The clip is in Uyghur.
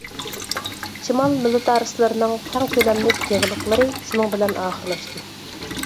شىمال مىلىتارىستلىرىنىڭ كەڭ كۆلەملىك يېغىلىقلىرى شۇنىڭ بىلەن ئاخىرلاشتى.